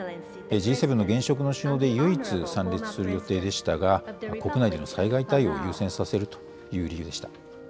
Ｇ７の現職の首脳で唯一参列する予定でしたが、国内での災害対応を優先させるという理由でした。